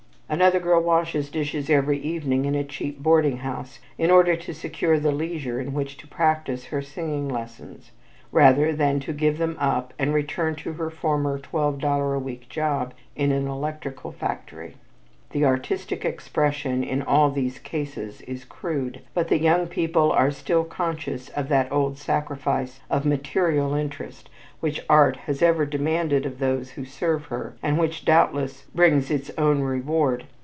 Another girl washes dishes every evening in a cheap boarding house in order to secure the leisure in which to practise her singing lessons, rather than to give them up and return to her former twelve dollar a week job in an electrical factory. The artistic expression in all these cases is crude, but the young people are still conscious of that old sacrifice of material interest which art has ever demanded of those who serve her and which doubtless brings its own reward.